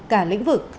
cả lĩnh vực